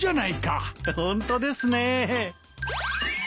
ホントですね。